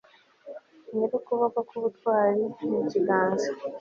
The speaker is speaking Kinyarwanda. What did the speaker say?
nyir'ukuboko k'ubutwari, n'ikiganza